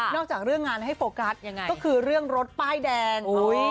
จากเรื่องงานให้โฟกัสยังไงก็คือเรื่องรถป้ายแดง